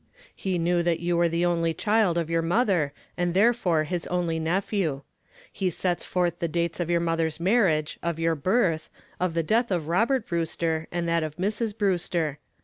He knew that you were the only child of your mother and therefore his only nephew. He sets forth the dates of your mother's marriage, of your birth, of the death of Robert Brewster and of Mrs. Brewster.